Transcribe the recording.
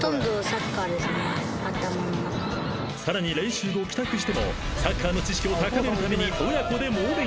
［さらに練習後帰宅してもサッカーの知識を高めるために］